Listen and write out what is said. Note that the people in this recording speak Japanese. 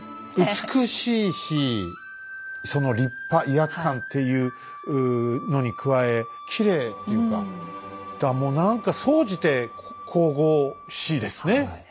美しいしその立派威圧感っていうのに加えきれいというかもう何か総じて神々しいですね。